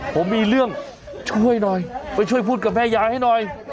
ผมมีเรื่องช่วยหน่อยไปช่วยพูดกับแม่ยายให้หน่อย